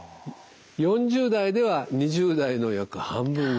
４０代では２０代の約半分ぐらい。